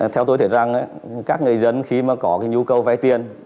theo tôi thấy rằng các người dân khi có nhu cầu vay tiền